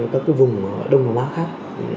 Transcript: các cái vùng ở đông nam á khác